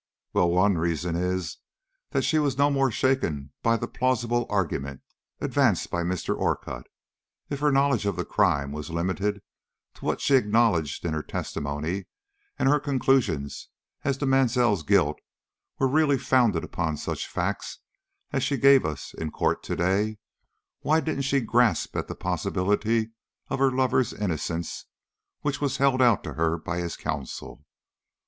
"Well, one reason is, that she was no more shaken by the plausible argument advanced by Mr. Orcutt. If her knowledge of the crime was limited to what she acknowledged in her testimony, and her conclusions as to Mansell's guilt were really founded upon such facts as she gave us in court to day, why didn't she grasp at the possibility of her lover's innocence which was held out to her by his counsel?